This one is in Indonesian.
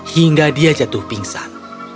hingga dia jatuh pingsan